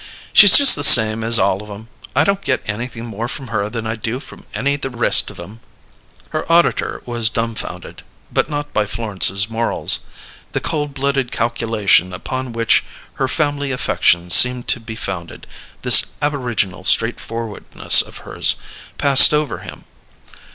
"She's just the same as all of 'em. I don't get anything more from her than I do from any the rest of 'em." Her auditor was dumfounded, but not by Florence's morals. The cold blooded calculation upon which her family affections seemed to be founded, this aboriginal straightforwardness of hers, passed over him.